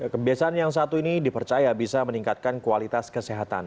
kebiasaan yang satu ini dipercaya bisa meningkatkan kualitas kesehatan